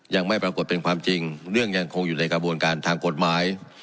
ยังไม่ปรากฏเป็นความจริงเรื่องยังคงอยู่ในกระบวนการทางกฎหมาย